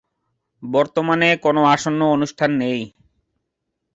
বর্তমানে কোনা আসন্ন অনুষ্ঠান নেই